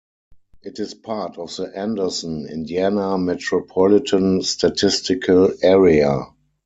It is part of the Anderson, Indiana Metropolitan Statistical Area.